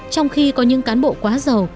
trong khi có những cán bộ quá giàu